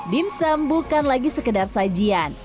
dimsum bukan lagi sekedar sajian